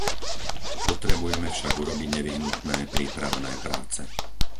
Potrebujeme však urobiť nevyhnutné prípravné práce.